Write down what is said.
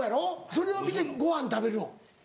それを見てご飯食べるの？